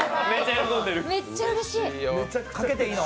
めっちゃうれしい。